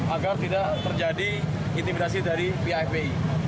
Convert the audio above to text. agar tidak terjadi intimidasi dari pipi